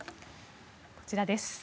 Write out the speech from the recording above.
こちらです。